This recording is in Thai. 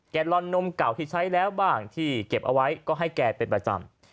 ลอนนมเก่าที่ใช้แล้วบ้างที่เก็บเอาไว้ก็ให้แกเป็นประจำ